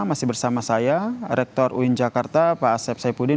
masih bersama saya rektor uin jakarta pak asep saipudin